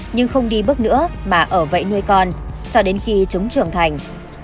nhưng không đi bước nữa mà ở vậy nuôi con cho đến khi chúng trưởng thành